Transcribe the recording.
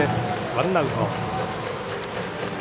ワンアウト。